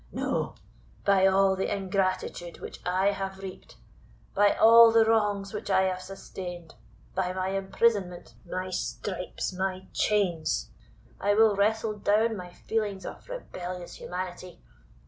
No; by all the ingratitude which I have reaped by all the wrongs which I have sustained by my imprisonment, my stripes, my chains, I will wrestle down my feelings of rebellious humanity!